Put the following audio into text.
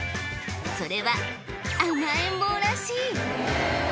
それは甘えん坊らしい